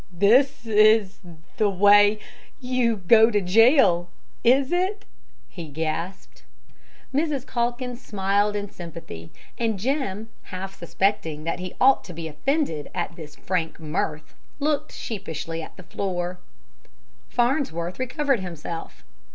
"This is the way you go to jail is it?" he gasped. Mrs. Calkins smiled in sympathy, and Jim, half suspecting that he ought to be offended at this frank mirth, looked sheepishly at the floor. Farnsworth recovered himself.